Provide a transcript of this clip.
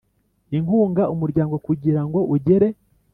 inkunga umuryango kugirango ugere